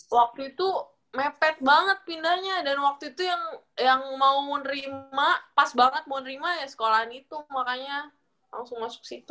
waktu itu mepet banget pindahnya dan waktu itu yang mau nerima pas banget mau nerima ya sekolahan itu makanya langsung masuk situ